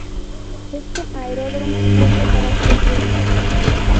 Este aeródromo es de carácter público.